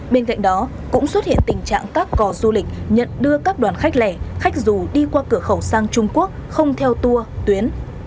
bên cạnh đó cũng xuất hiện tình trạng các cò du lịch nhận đưa các đoàn khách lẻ khách dù đi qua cửa khẩu sang trung quốc không theo tour tuyến